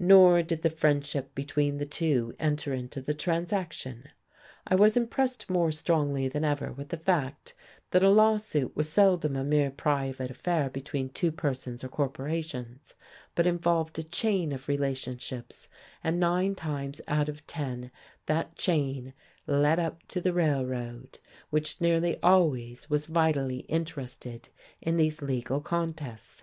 Nor did the friendship between the two enter into the transaction. I was impressed more strongly than ever with the fact that a lawsuit was seldom a mere private affair between two persons or corporations, but involved a chain of relationships and nine times out of ten that chain led up to the Railroad, which nearly always was vitally interested in these legal contests.